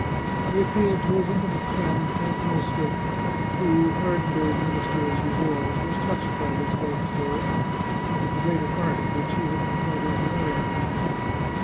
He appealed to his intimate friend, Count Mosca, who, hardened old minister as he was, was touched by this love story, of the greater part of which he had been quite un aware.